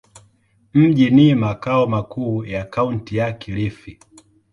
Mji ni makao makuu ya Kaunti ya Kilifi.